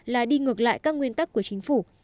là đi ngược lại các nguyên tắc của chính phủ